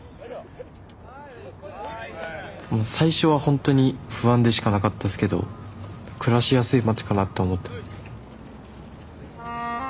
もう最初はほんとに不安でしかなかったですけど暮らしやすい街かなって思ってます。